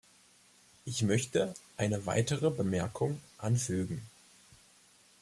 Ich möchte eine weitere Bemerkung anfügen.